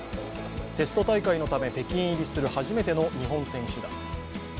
テスト大会のため北京入りする初めての日本選手団です。